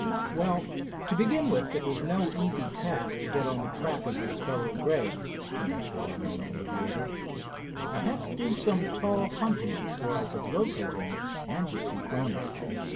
"Well, to begin with, it was no easy task to get on the track of this fellow Gregg," commenced the well known aviator. "I had to do some tall hunting before I could locate him and his two cronies."